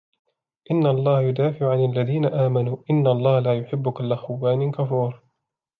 إن الله يدافع عن الذين آمنوا إن الله لا يحب كل خوان كفور